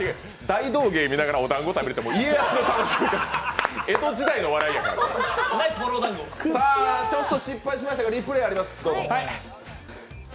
大道芸見ながら、おだんご食べるって、家康の楽しみ方、江戸時代の笑いやちょっと失敗しましたがリプレーあります。